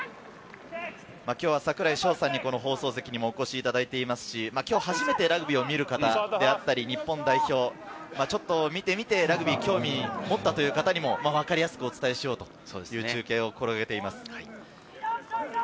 今日は櫻井翔さんに放送席にもお越しいただいていますし、今日初めてラグビーを見る方だったり、日本代表をちょっと見てみて、ラグビーに興味を持ったという方にも分かりやすくお伝えしようという中継を心がけています。